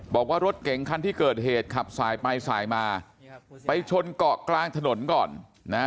บอกว่ารถเก๋งคันที่เกิดเหตุขับสายไปสายมาไปชนเกาะกลางถนนก่อนนะฮะ